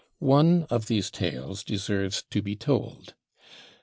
One of these tales deserves to be told.